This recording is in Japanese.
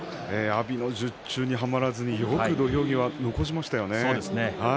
阿炎の術中にはまらずよく土俵際、残りましたよね。